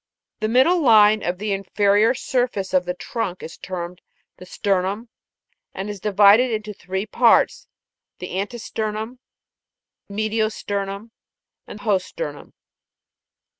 The middle line of the inferior surface of the trunk is termed the sternum, and is divided into three parts ; the ante sternum, medio*sternum, and post sternum.